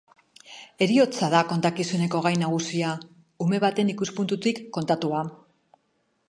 Heriotza da kontakizuneko gai nagusia, ume baten ikuspuntutik kontatua.